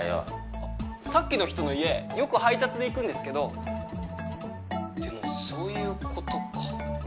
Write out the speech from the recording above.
あっさっきの人の家よく配達で行くんですけどでもそういうことか。